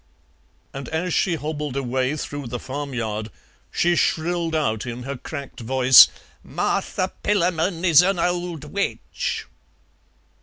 And as she hobbled away through the farmyard she shrilled out in her cracked voice, "Martha Pillamon is an old witch!"